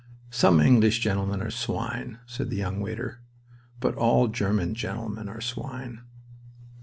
"Some English gentlemen are swine," said the young waiter. "But all German gentlemen are swine."